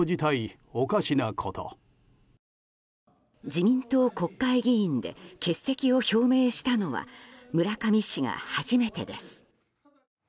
自民党国会議員で欠席を表明したのは村上氏が初めてです。